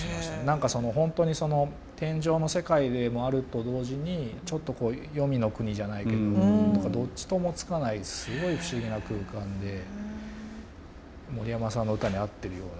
何かその本当に天上の世界でもあると同時にちょっと黄泉の国じゃないけどどっちともつかないすごい不思議な空間で森山さんの歌に合ってるような。